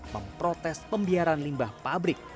memprotes pembiaran limbah pabrik